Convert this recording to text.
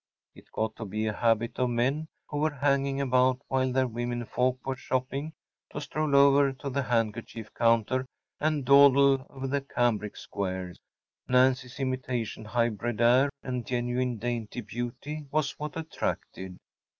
It got to be a habit of men, who were hanging about while their women folk were shopping, to stroll over to the handkerchief counter and dawdle over the cambric squares. Nancy’s imitation high bred air and genuine dainty beauty was what attracted.